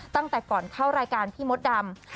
ตั้งแต่ก่อนเข้ารายการพี่มดดำ